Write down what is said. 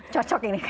cocok ini kan